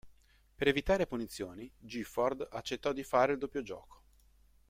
Per evitare punizioni, Gifford accettò di fare il doppio gioco.